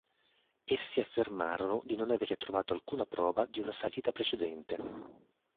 Essi affermarono di non aver trovato alcuna prova di una salita precedente.